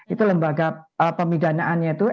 itu lembaga pemidanaannya itu